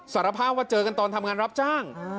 สารภาพว่าเจอกันตอนทำงานรับจ้าง